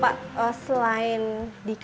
pak selain di kib